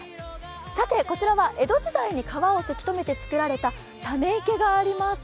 さて、こちらは江戸時代に川をせき止めてつくられたため池があります。